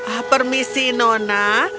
ah permisi nona